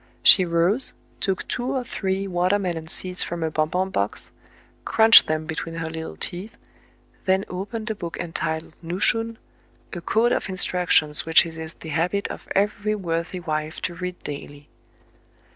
She rose, took two or three watermelon seeds from a bonbon box, crunched them between her little teeth, then opened a book entitled "Nushun," — a code of instructions which it is the habit of every worthy wife to read daily.